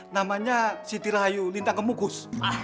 namanya si tirayu lintang kemukus